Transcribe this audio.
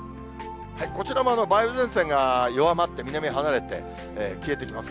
こちらも梅雨前線が弱まって、南へ離れて消えていきます。